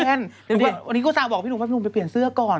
วันนี้โกสารบอกพี่หนุ่มว่าไปเปลี่ยนเสื้อก่อน